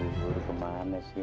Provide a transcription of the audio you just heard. aduh gua kemana sih